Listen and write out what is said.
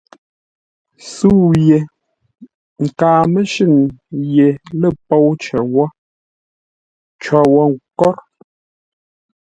Sə̌u ye nkaa mə́shʉ́ŋ yé lə̂ pôu cər wó, cǒ wo nkór.